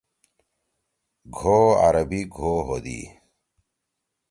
گھو عربی گھو ہودی۔